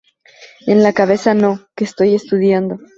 ¡En la cabeza no, que estoy estudiando!